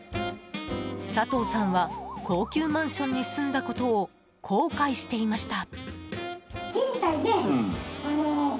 佐藤さんは、高級マンションに住んだことを後悔していました。